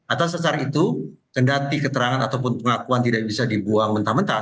atas dasar itu kendati keterangan ataupun pengakuan tidak bisa dibuang mentah mentah